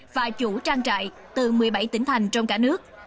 và chủ trang trại từ một mươi bảy tỉnh thành trong cả nước